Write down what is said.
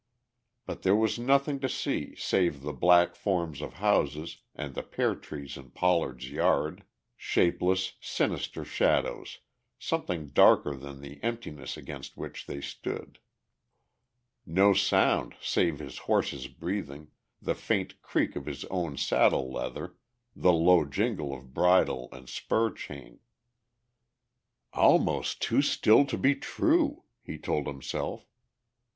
But there was nothing to see save the black forms of houses and the pear trees in Pollard's yard, shapeless, sinister shadows something darker than the emptiness against which they stood; no sound save his horse's breathing, the faint creak of his own saddle leather, the low jingle of bridle and spur chain. "Almost too still to be true," he told himself.